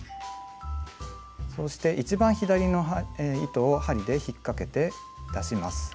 そして一番左の糸を針で引っかけて出します。